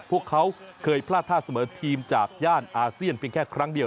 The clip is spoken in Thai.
พวกเขาเคยพลาดท่าเสมอทีมจากย่านอาเซียนเพียงแค่ครั้งเดียว